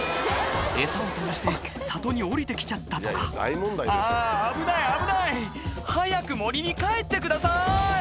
エサを探して里に下りてきちゃったとかあ危ない危ない早く森に帰ってください